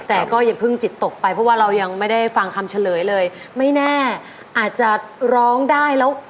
แต่ก็อย่าเพิ่งจิตตกไปเพราะว่าเรายังไม่ได้ฟังคำเฉลยเลยไม่แน่อาจจะร้องได้แล้ว